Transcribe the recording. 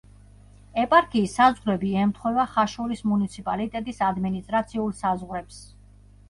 ეპარქიის საზღვრები ემთხვევა ხაშურის მუნიციპალიტეტის ადმინისტრაციულ საზღვრებს.